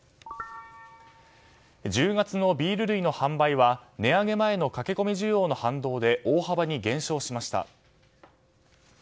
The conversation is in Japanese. １０月のビール類の販売は値上げ前の駆け込み需要の反動で大幅に減少しました。